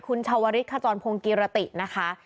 คุณชาวริสขจรพงศ์กิรตินะคะ